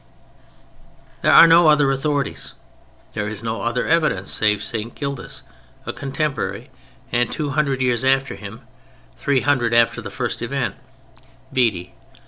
There are no other authorities. There is no other evidence save St. Gildas, a contemporary and—two hundred years after him, three hundred after the first event—Bede.